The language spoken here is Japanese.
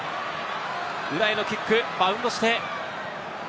裏へのキック、バウンドして。